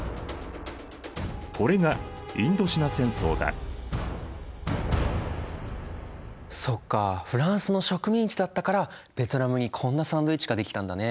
これがそっかフランスの植民地だったからベトナムにこんなサンドイッチができたんだね。